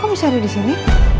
kau bisa jadi disini